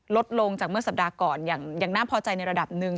ลดลงจากเมื่อสัปดาห์ก่อนอย่างน่าพอใจในระดับหนึ่ง